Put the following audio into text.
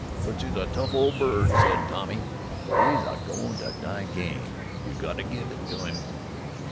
"Fritzie's a tough old bird," said Tommy. "'E's a go'n' to die game, you got to give it to 'im."